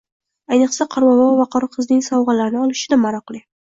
Ayniqsa, Qorbobo va Qorqizning sovg`alarini olish juda maroqli